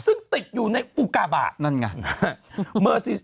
ซึ่งติดอยู่ในอุกาบาทนั่นไง